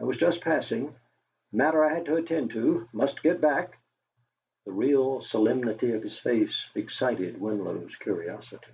I was just passing matter I had to attend to must get back!" The real solemnity of his face excited Winlow's curiosity.